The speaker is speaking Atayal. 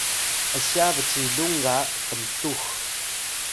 ’sya bcilung ga kmtux